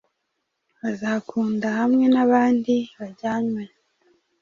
Azakunda hamwe nabandi bajyanywe